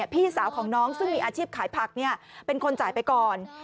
พี่สาวของน้องซึ่งมีอาชีพขายผักเป็นคนจ่ายไปก่อน